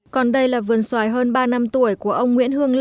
còn đây là vườn xoài hơn ba năm tuổi của ông nguyễn hương la